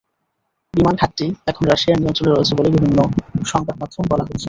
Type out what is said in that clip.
বিমান ঘাঁটিটি এখন রাশিয়ার নিয়ন্ত্রণে রয়েছে বলে বিভিন্ন সংবাদ মাধ্যমে বলা হচ্ছে।